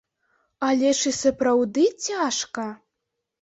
Але ж і сапраўды цяжка!